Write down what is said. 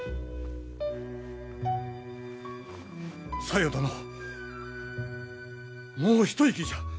小夜殿もう一息じゃ。